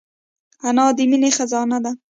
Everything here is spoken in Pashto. انا د مینې خزانه ده